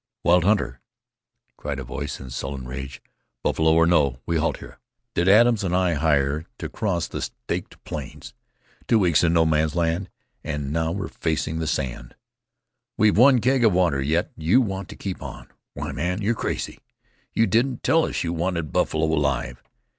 "Wild hunter!" cried a voice in sullen rage, "buffalo or no, we halt here. Did Adams and I hire to cross the Staked Plains? Two weeks in No Man's Land, and now we're facing the sand! We've one keg of water, yet you want to keep on. Why, man, you're crazy! You didn't tell us you wanted buffalo alive.